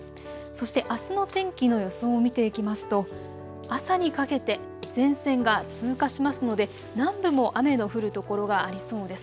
そしてあすの天気の予想を見ていきますと朝にかけて前線が通過しますので南部も雨の降る所がありそうです。